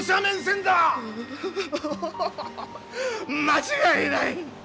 間違いない！